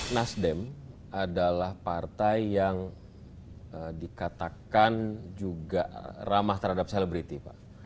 nasdem adalah partai yang dikatakan juga ramah terhadap selebriti pak